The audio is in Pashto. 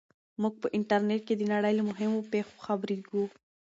موږ په انټرنیټ کې د نړۍ له مهمو پېښو خبریږو.